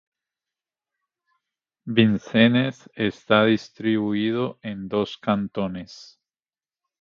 Vincennes está distribuido en dos cantones.